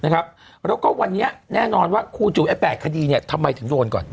และวันนี้แน่นอนคู่จุ๋ม๘คดีทำไมถึงโดนก่อน